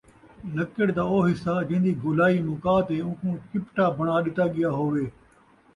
لَکِّڑ دا اُوہ حِصّہ جین٘دی گُولائی مُکا تے اُوکُوں چِپٹا بݨا ڈِتّا ڳیا ہووے